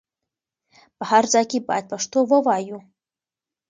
په هر ځای کې بايد پښتو ووايو.